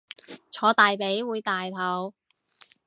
坐大髀會大肚